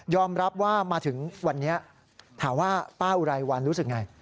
รับว่ามาถึงวันนี้ถามว่าป้าอุไรวันรู้สึกไง